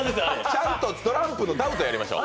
ちゃんとトランプの「ダウト」やりましょう。